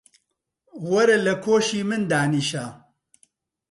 وەرە لە کۆشی من دانیشە.